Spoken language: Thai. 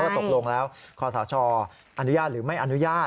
ตกลงแล้วคอสชอนุญาตหรือไม่อนุญาต